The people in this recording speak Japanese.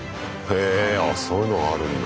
へああそういうのがあるんだ。